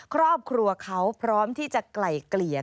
ครอบครัวเขาพร้อมที่จะไกล่เกลี่ย